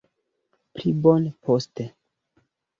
Pli bone poste